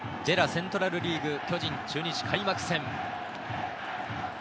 セントラルリーグ、巨人・中日開幕戦。